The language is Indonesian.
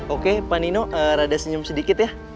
oke pak nino rada senyum sedikit ya